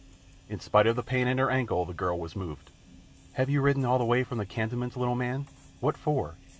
In spite of the pain in her ankle the girl was moved. "Have you ridden all the way from cantonments, little man? What for?"